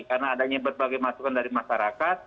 karena adanya berbagai masukan dari masyarakat